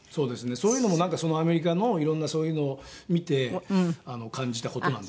そういうのもなんかアメリカのいろんなそういうのを見て感じた事なんですよね。